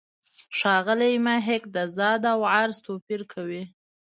ښاغلی محق د «ذات» او «عرض» توپیر کوي.